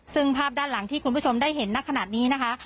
ซึ่งภาพด้านหลังที่คุณผู้ชมได้เห็นนักขนาดนี้นะคะ